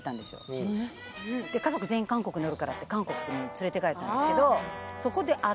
家族全員韓国におるからって韓国に連れてかれたんですけど。